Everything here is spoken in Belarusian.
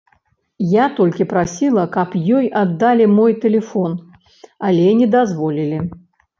Я толькі прасіла, каб ёй аддалі мой тэлефон, але не дазволілі.